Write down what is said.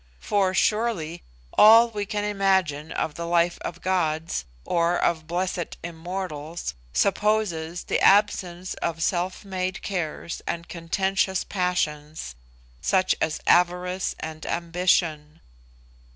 For, surely, all we can imagine of the life of gods, or of blessed immortals, supposes the absence of self made cares and contentious passions, such as avarice and ambition.